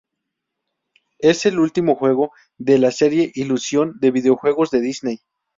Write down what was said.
Es el último juego de la serie Illusion de videojuegos de Disney.